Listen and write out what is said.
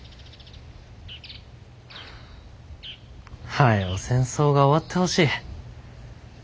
早う戦争が終わってほしい。